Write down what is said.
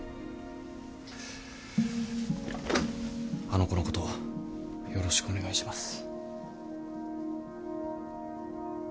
あの子のことよろしくお願いします。